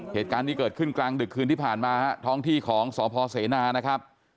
เหตุการณ์นี้เกิดขึ้นกลางดึกคืนที่ผ่านมาฮะท้องที่ของสพเสนานะครับ